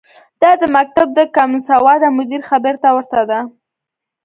دا د مکتب د کمسواده مدیر خبرې ته ورته ده.